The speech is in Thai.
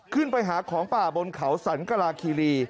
ขึ้นไปหาของป่าบนเขาสันกราคีรี